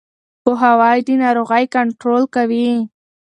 پوهاوی د ناروغۍ کنټرول کوي.